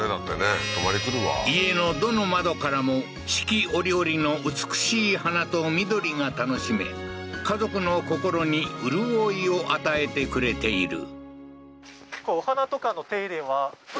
家のどの窓からも四季折々の美しい花と緑が楽しめ、家族の心に潤いを与えてくれている。